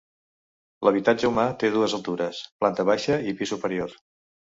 L’habitatge humà té dues altures, planta baixa i pis superior.